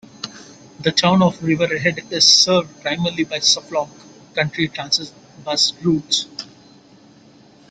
The Town of Riverhead is served primarily by Suffolk County Transit bus routes.